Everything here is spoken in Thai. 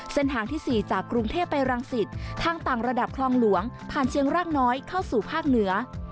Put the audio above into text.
เส้นทางที่๔จากกรุงเทพไปรังสิตทางต่างระดับคลองหลวงผ่านเชียงรากน้อยเข้าสู่ภาคเหนือ